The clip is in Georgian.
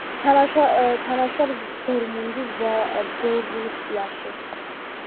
თამაშობს დორმუნდის „ბორუსიაში“.